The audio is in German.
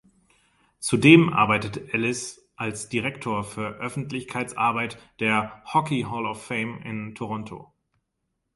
Zudem arbeitete Ellis als Direktor für Öffentlichkeitsarbeit der Hockey Hall of Fame in Toronto.